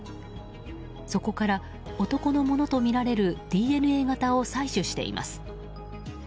そこから男のものとみられるＤＮＡ型を採取しています。